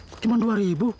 bikin uang dua ribu